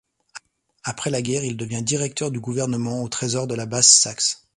Après la guerre, il devient directeur du gouvernement au Trésor de la Basse-Saxe.